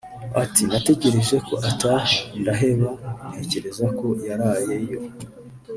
Ati “Nategereje ko ataha ndaheba ntekereza ko yaraye yo